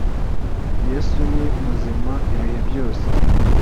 yesu ni muzima ibihe byose